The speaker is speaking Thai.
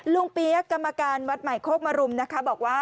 เปี๊ยกกรรมการวัดใหม่โคกมรุมนะคะบอกว่า